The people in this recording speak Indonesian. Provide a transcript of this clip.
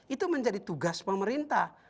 itu menjadi tugas pemerintah